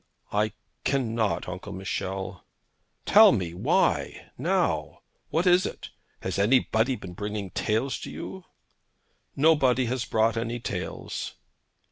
'I can not, Uncle Michel.' 'Tell me why, now. What is it? Has anybody been bringing tales to you?' 'Nobody has brought any tales.'